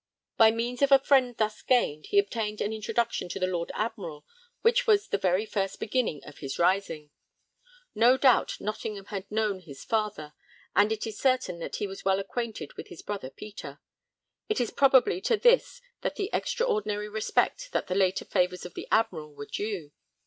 By means of a friend thus gained, he obtained an introduction to the Lord Admiral, which was 'the very first beginning' of his rising. No doubt Nottingham had known his father, and it is certain that he was well acquainted with his brother Peter; it is probably to this that the 'extraordinary respect' and the later favours of the Admiral were due.